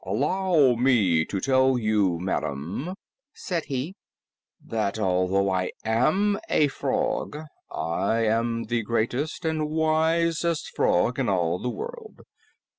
"Allow me to tell you, madam," said he, "that although I am a frog, I am the Greatest and Wisest Frog in all the world.